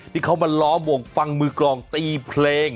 ที่เขามาล้อมวงฟังมือกลองตีเพลง